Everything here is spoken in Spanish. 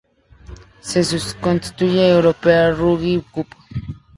Se sustituye a la European Rugby Cup.